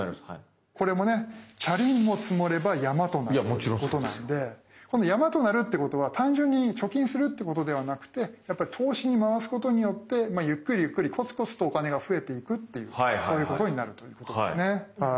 これもね「チャリンも積もれば山となる！」ということなのでこの「山となる」っていうことは単純に貯金するっていうことではなくて投資に回すことによってゆっくりゆっくりコツコツとお金が増えていくっていうそういうことになるということですね。